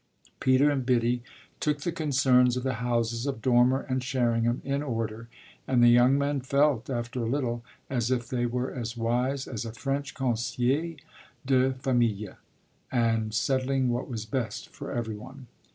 Peter and Biddy took the concerns of the houses of Dormer and Sherringham in order, and the young man felt after a little as if they were as wise as a French conseil de famille and settling what was best for every one.